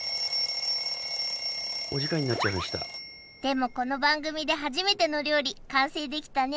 もこの番組で初めての料理完成できたね